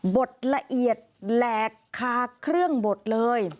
ดละเอียดแหลกคาเครื่องบดเลย